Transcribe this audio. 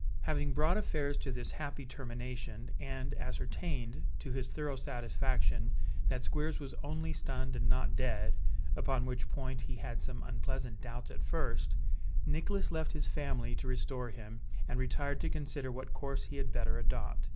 Having brought affairs to this happy termination, and ascertained, to his thorough satisfaction, that Squeers was only stunned, and not dead (upon which point he had some unpleasant doubts at first), Nicholas left his family to restore him, and retired to consider what course he had better adopt.